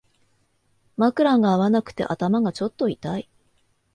枕が合わなくて頭がちょっと痛い